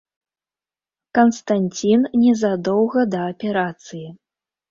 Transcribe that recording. Канстанцін незадоўга да аперацыі.